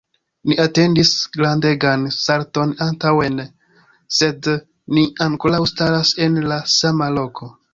Ni atendis grandegan salton antaŭen, sed ni ankoraŭ staras en la sama loko.